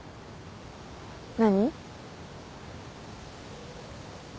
何？